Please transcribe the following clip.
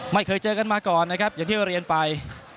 ไม่เคยเจอกันมาก่อนนะครับอย่างที่เรียนไป